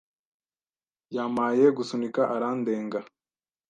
Yampaye gusunika arandenga.